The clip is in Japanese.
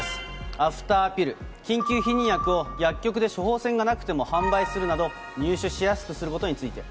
アフターピル・緊急避妊薬を薬局で処方箋がなくても販売するなど、入手しやすくことについて。